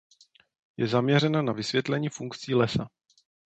Je zaměřena na vysvětlení funkcí lesa.